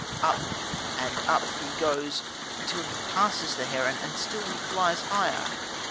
Up, and up, he goes until he passes the heron and still he flies higher.